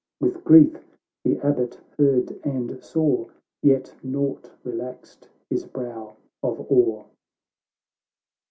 —■ With grief the Abbot heard and saw, Yet nought relaxed his brow of awe.